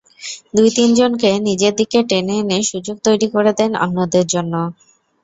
দুই-তিনজনকে নিজের দিকে টেনে এনে সুযোগ তৈরি করে দেন অন্যদের জন্য।